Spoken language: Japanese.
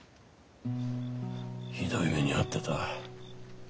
ひどい目に遭ってた。